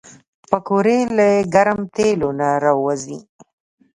پکورې له ګرم تیلو نه راوځي